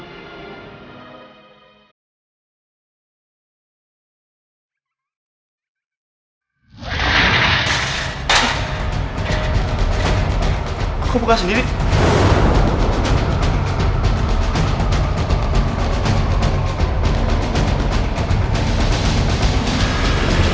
mungkin giana masih hidup